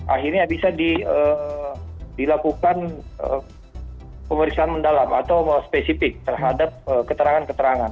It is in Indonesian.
akhirnya bisa dilakukan pemeriksaan mendalam atau spesifik terhadap keterangan keterangan